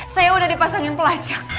saya udah dipasangin pelacak